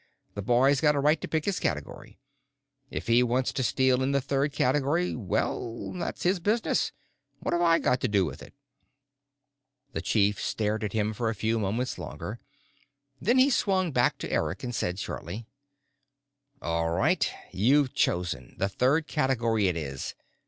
The boy's got a right to pick his category. If he wants to steal in the third category, well, that's his business. What have I got to do with it?" The chief stared at him for a few moments longer. Then he swung back to Eric and said shortly: "All right. You've chosen. The third category it is.